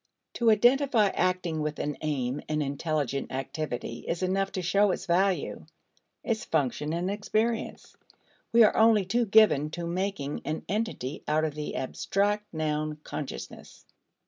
To identify acting with an aim and intelligent activity is enough to show its value its function in experience. We are only too given to making an entity out of the abstract noun "consciousness."